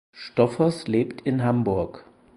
Stoffers lebt in Hamburg.